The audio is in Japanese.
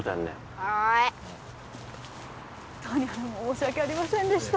はい本当に申し訳ありませんでした